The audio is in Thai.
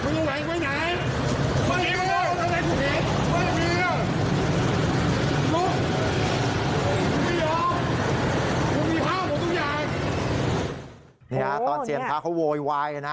นี่ครับตอนเซียนพระเขาโวยวาย